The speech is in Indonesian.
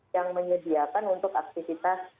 yang menyediakan untuk aktivitas